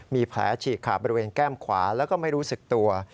มีแผลฉีกขาดบริเวณแก้มขวาแล้วก็ไม่รู้สึกตัว